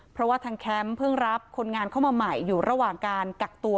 เพราะว่าทางแคมป์เพิ่งรับคนงานเข้ามาใหม่อยู่ระหว่างการกักตัว